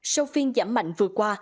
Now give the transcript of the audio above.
sau phiên giảm mạnh vừa qua